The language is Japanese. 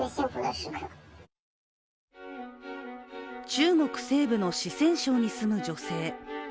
中国西部の四川省に住む女性。